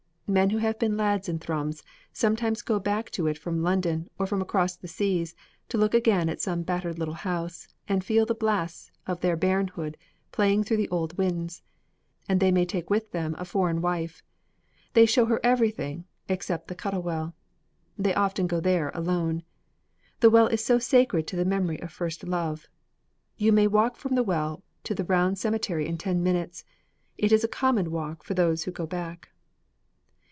Men who have been lads in Thrums sometimes go back to it from London or from across the seas, to look again at some battered little house and feel the blasts of their bairnhood playing through the old wynds, and they may take with them a foreign wife. They show her everything, except the Cuttle Well; they often go there alone. The well is sacred to the memory of first love. You may walk from the well to the round cemetery in ten minutes. It is a common walk for those who go back.